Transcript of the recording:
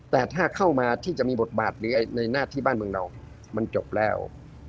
แต่ถ้าเข้ามาที่จะมีบทบาทหรือในหน้าที่บ้านเมืองเรามันจบแล้ว